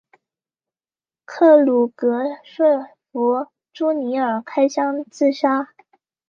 克鲁格说服朱尼尔开枪自杀。